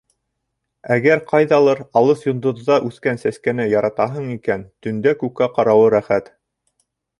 Әгәр, ҡайҙалыр алыҫ йондоҙҙа үҫкән сәскәне яратаһың икән, төндә күккә ҡарауы рәхәт.